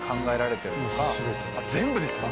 全部ですか！